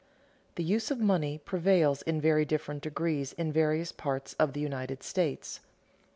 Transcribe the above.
_The use of money prevails in very different degrees in various parts of the United States.